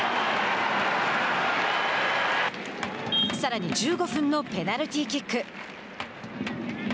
さらに、１５分のペナルティーキック。